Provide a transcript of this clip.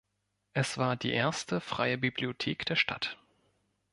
Es war die erste freie Bibliothek der Stadt.